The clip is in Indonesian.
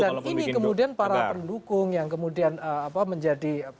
dan ini kemudian para pendukung yang kemudian bisa jadi negatif